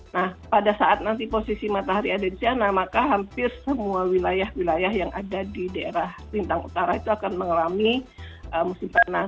nah pada saat nanti posisi matahari ada di sana maka hampir semua wilayah wilayah yang ada di daerah lintang utara itu akan mengalami musim panas